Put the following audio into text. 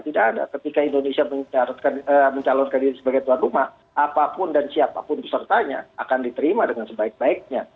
tidak ada ketika indonesia mencalonkan diri sebagai tuan rumah apapun dan siapapun pesertanya akan diterima dengan sebaik baiknya